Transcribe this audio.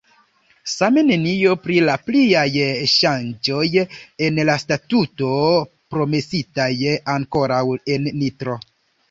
Same nenio pri la pliaj ŝanĝoj en la Statuto, promesitaj ankoraŭ en Nitro.